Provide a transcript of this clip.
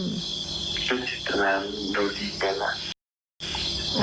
มันอิตนาโดยที่เป็น